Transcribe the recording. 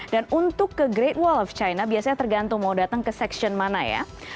dan untuk ke great wall of china biasanya tergantung mau datang ke seksion mana ya